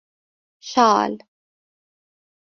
شال